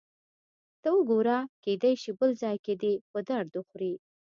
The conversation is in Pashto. ته وګوره، کېدای شي بل ځای کې دې په درد وخوري.